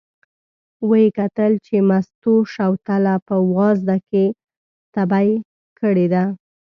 و یې کتل چې مستو شوتله په وازده کې تبی کړې ده.